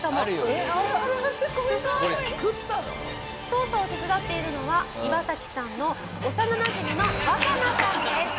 操作を手伝っているのはイワサキさんの幼なじみのワカナさんです。